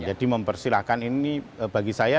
jadi mempersilahkan ini bagi saya